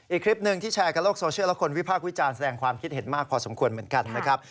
อีกคลิปหนึ่งที่แชร์กันโลกโซเชียลและคนวิพากษ์วิจารณ์แสดงความคิดเห็นมากพอสมควรเหมือนกันนะครับ